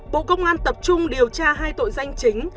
bộ công an tập trung điều tra hai tội danh chính